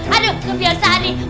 aduh kebiasaan nih